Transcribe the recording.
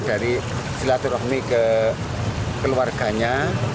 dari silaturahmi ke keluarganya